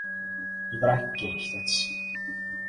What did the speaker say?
茨城県日立市